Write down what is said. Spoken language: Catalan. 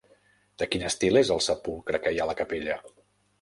De quin estil és el sepulcre que hi ha a la capella?